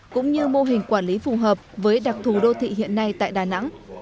cũng như mô hình quản lý phù hợp với đặc thù đô thị hiện nay tại đà nẵng